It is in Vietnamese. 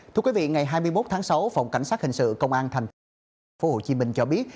thưa quý vị ngày hai mươi một tháng sáu phòng cảnh sát hình sự công an thành phố hồ chí minh cho biết